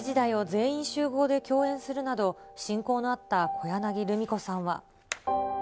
全員集合で共演するなど、親交のあった小柳ルミ子さんは。